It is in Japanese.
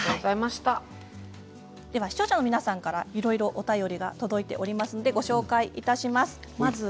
視聴者の皆さんからいろいろお便りが届いておりますのでご紹介いたします。